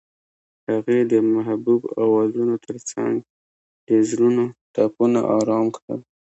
هغې د محبوب اوازونو ترڅنګ د زړونو ټپونه آرام کړل.